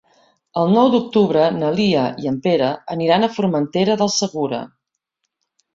El nou d'octubre na Lia i en Pere aniran a Formentera del Segura.